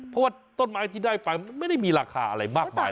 เพราะว่าต้นไม้ที่ได้ไปไม่ได้มีราคาอะไรมากมาย